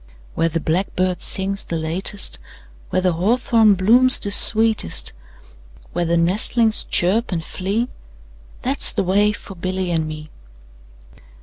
Where the blackbird sings the latest, 5 Where the hawthorn blooms the sweetest, Where the nestlings chirp and flee, That 's the way for Billy and me.